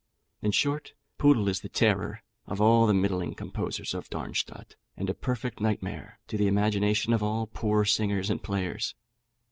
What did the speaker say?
In short, Poodle is the terror of all the middling composers of Darmstadt, and a perfect nightmare to the imagination of all poor singers and players.